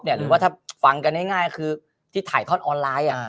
หรือว่าถ้าฟังกันง่ายคือที่ถ่ายทอดออนไลน์